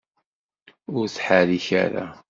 Ur ttḥerrik ara.